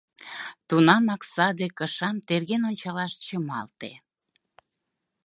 Тунамак саде кышам терген ончалаш чымалте.